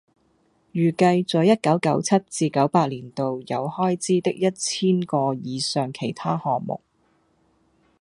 預計在一九九七至九八年度有開支的一千個以上其他項目